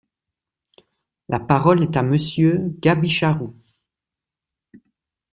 La parole est à Monsieur Gaby Charroux.